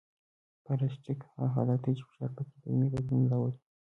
پلاستیک هغه حالت دی چې فشار پکې دایمي بدلون راولي